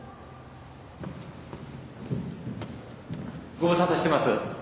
ご無沙汰してます。